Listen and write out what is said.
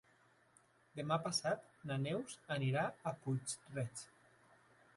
Demà passat na Neus anirà a Puig-reig.